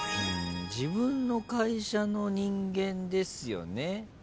自分の会社の人間ですよね？